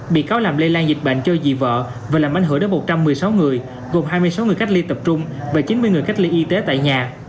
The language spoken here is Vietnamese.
bị cáo làm lây lan dịch bệnh cho dị vợ và làm ảnh hưởng đến một trăm một mươi sáu người gồm hai mươi sáu người cách ly tập trung và chín mươi người cách ly y tế tại nhà